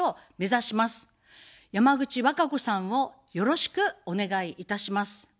山口わか子さんをよろしくお願いいたします。